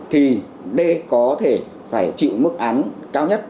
thì d có thể phải chịu mức án cao nhất